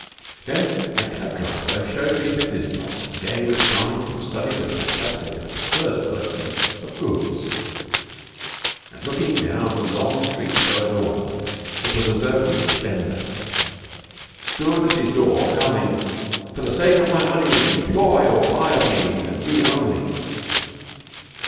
Then my cab driver showed me business blocks gay with signs and studded with fantastic and absurd advertisements of goods, and looking down the long street so adorned, it was as though each vender stood at his door howling: "For the sake of my money, employ or buy of me, and me only!"